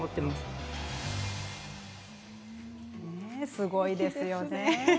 すごいですよね。